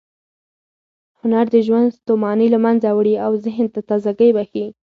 هنر د ژوند ستوماني له منځه وړي او ذهن ته تازه ګۍ بښي.